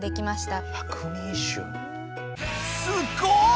すっごい！